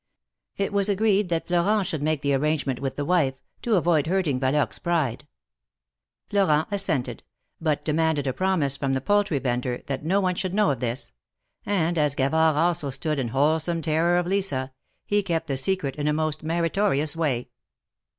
It was agreed that Florent should make the arrangement with the wife, to. avoid hurting Valoque^s pride. Florent assented, but demanded a promise from the poultry vendor that no one should know of this ; and as Gavard also stood in wholesome terror of Lisa, he kept the secret in a most meritorious way.